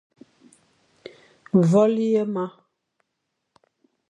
Vale ye ma.